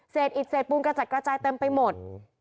อิดเศษปูนกระจัดกระจายเต็มไปหมด